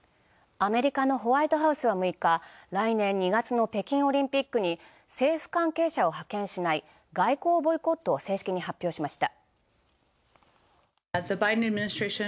アメリカのホワイトハウスは６日、来年２月の北京オリンピックに政府関係者を派遣しない、外交ボイコットを正式に発表しました。